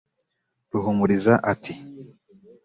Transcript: Ruhumuriza ati